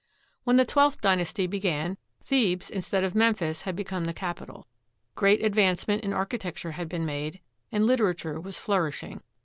When the Twelfth Dynasty began, Thebes instead of Memphis had become the capital. Great advancement in architecture had been made, and literature was flourishing.